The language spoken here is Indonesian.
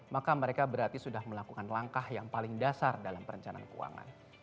maka mereka berarti sudah melakukan langkah yang paling dasar dalam perencanaan keuangan